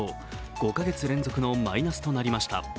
５か月連続のマイナスとなりました。